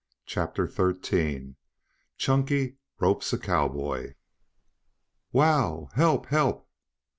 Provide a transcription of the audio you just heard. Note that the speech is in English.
CHAPTER XIII CHUNKY ROPES A COWBOY "Wow! Help! Help!"